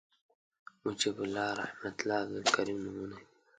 محیب الله رحمت الله عبدالکریم نومونه دي